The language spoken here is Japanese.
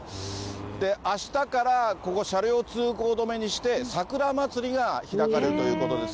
あしたからここ、車両通行止めにして、桜祭りが開かれるということです。